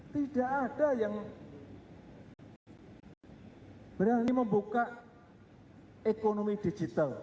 tidak ada yang berani membuka ekonomi digital